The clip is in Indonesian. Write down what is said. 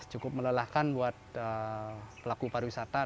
cukup melelahkan buat pelaku pariwisata